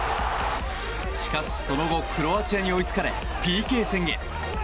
しかし、その後クロアチアに追いつかれＰＫ戦へ。